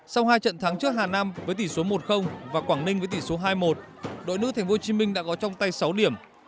sau hai trận thắng trước hà nam với tỷ số một và quảng ninh với tỷ số hai một đội nữ tp hcm đã có trong tay sáu điểm